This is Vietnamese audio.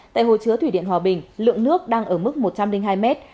tại hồ chứa thủy điện hòa bình lượng nước đang ở mức một trăm linh hai mét